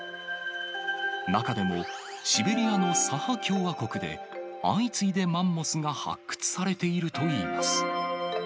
中でも、シベリアのサハ共和国で相次いでマンモスが発掘されているといいます。